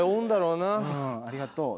うんありがとう。